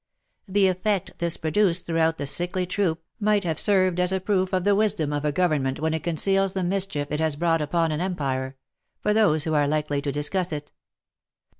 The effect this produced throughout the sickly troop might have served as a proof of the wisdom of a government when it conceals the mischief it has brought upon an empire, from those who are likely to discuss it.